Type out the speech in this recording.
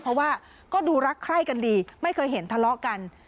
เพราะว่าก็ดูรักใคร่กันดีไม่เคยเห็นทะเลาะกัน